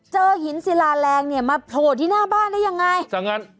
เจอหินศิลาแรงเนี่ยมาโผล่ที่หน้าบ้านได้ยังไงซะงั้น